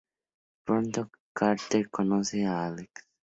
Pronto, Carter conoce a Alex...